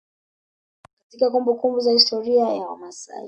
Katika kumbumbuku za historia ya wamasai